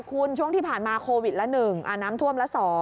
คุณช่วงที่ผ่านมาโควิดละ๑น้ำท่วมละ๒